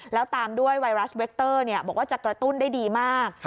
แล้วตามด้วยไวรัสเวคเตอร์บอกว่าจะกระตุ้นได้ดีมาก